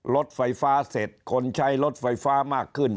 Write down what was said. รถไฟฟ้าเสร็จคนใช้รถไฟฟ้ามากขึ้น